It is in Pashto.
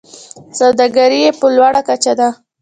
سوداګري یې په لوړه کچه ده.